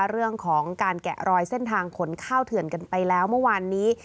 เรื่องของการแกะรอยเส้นทางขนข้าวเถื่อนกันไปแล้วเมื่อวานนี้